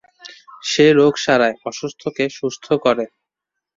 সে রোগ সারায়, অসুস্থকে সুস্থ করে।